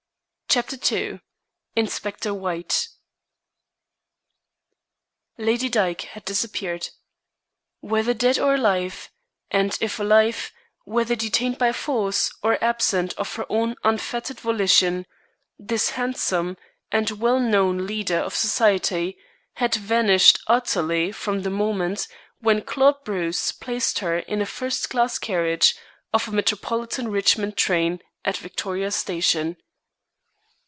CHAPTER II INSPECTOR WHITE Lady Dyke had disappeared. Whether dead or alive, and if alive, whether detained by force or absent of her own unfettered volition, this handsome and well known leader of Society had vanished utterly from the moment when Claude Bruce placed her in a first class carriage of a Metropolitan Richmond train at Victoria Station.